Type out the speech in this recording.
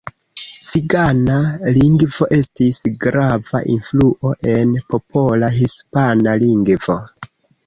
Cigana lingvo estis grava influo en popola hispana lingvo.